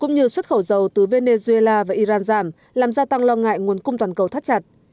cũng như xuất khẩu dầu từ venezuela và iran giảm làm gia tăng lo ngại nguồn cung toàn cầu thắt chặt